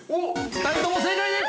◆２人とも正解です！